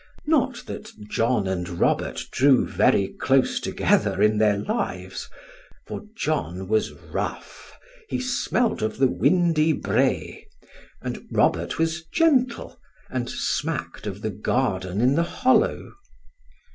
Not that John and Robert drew very close together in their lives; for John was rough, he smelt of the windy brae; and Robert was gentle, and smacked of the garden in the hollow.